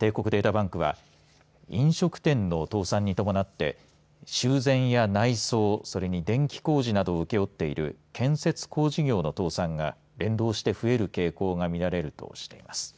帝国データバンクは飲食店の倒産に伴って修繕や内装それに電気工事などを請け負っている建設工事業の倒産が連動して増える傾向がみられるとしています。